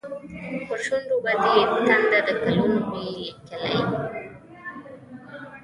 پر شونډو به دې تنده، د کلونو وي لیکلې